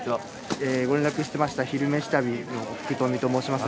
ご連絡してました「昼めし旅」の福冨と申します。